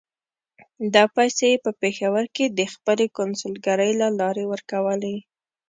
دا پیسې یې په پېښور کې د خپلې کونسلګرۍ له لارې ورکولې.